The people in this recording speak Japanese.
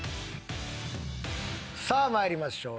さあ参りましょう。